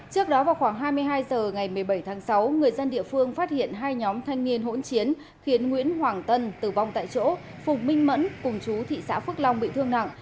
trước đó vào khoảng hai mươi hai h ngày một mươi bảy tháng sáu người dân địa phương phát hiện hai nhóm thanh niên hỗn chiến khiến nguyễn hoàng tân tử vong tại chỗ phùng minh mẫn cùng chú thị xã phước long bị thương nặng